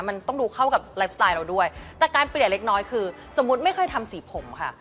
มันต้องดูเข้ากับไลฟ์สไตล์เราด้วยแต่การเปลี่ยนเล็กน้อยคือสมมุติไม่เคยทำสีผมค่ะ